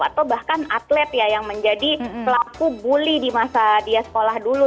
atau bahkan atlet ya yang menjadi pelaku bully di masa dia sekolah dulu